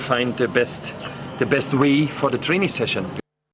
kita harus mencari cara terbaik untuk sesi latihan